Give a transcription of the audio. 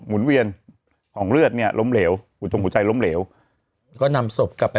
หุ่นเวียนของเลือดเนี่ยล้มเหลวหูจงหัวใจล้มเหลวก็นำศพกลับไป